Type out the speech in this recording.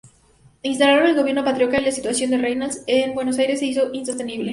Instalado el gobierno patriota, la situación de Reynals en Buenos Aires se hizo insostenible.